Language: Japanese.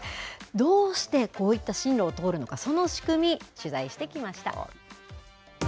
どうしてこういった進路を通るのか、その仕組み、取材してきました。